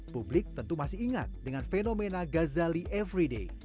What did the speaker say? publik tentu masih ingat dengan fenomena ghazali everyday